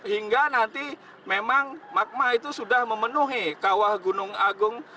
hingga nanti memang magma itu sudah memenuhi kawah gunung agung